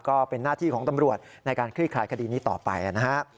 ก็เป็นหน้าที่ของตำรวจในการคลี่คลายคดีนี้ต่อไปนะฮะ